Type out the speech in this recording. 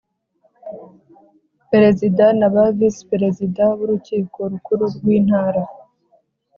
Perezida na ba Visi Perezida b Urukiko Rukuru rw Intara